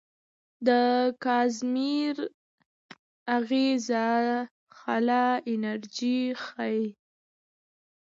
د کازیمیر اغېز خلا انرژي ښيي.